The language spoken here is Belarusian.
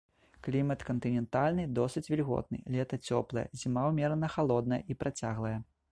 Клімат кантынентальны, досыць вільготны, лета цёплае, зіма ўмерана халодная і працяглая.